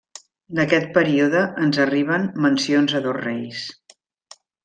D'aquest període ens arriben mencions a dos reis.